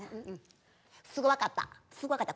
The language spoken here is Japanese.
すぐ分かったすぐ分かった。